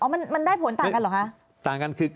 มันได้ผลต่างกันเหรอคะ